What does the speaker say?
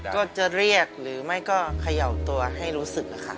ก็จะเรียกหรือไม่ก็เขย่าตัวให้รู้สึกนะคะ